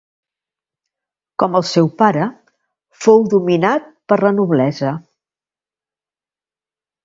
Com el seu pare, fou dominat per la noblesa.